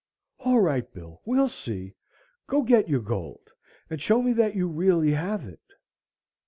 "All right, Bill, we'll see. Go get your gold and show me that you really have it."